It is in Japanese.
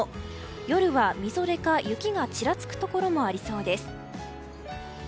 夜はみぞれか雪がちらつくところもありそうです。